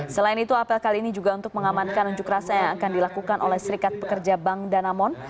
selain itu apel kali ini juga untuk mengamankan unjuk rasa yang akan dilakukan oleh serikat pekerja bank danamon